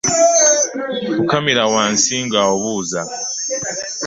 Fukamira wansi nga obuuza.